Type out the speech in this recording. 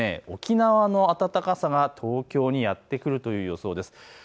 沖縄の暖かさが東京にやって来るという予想です。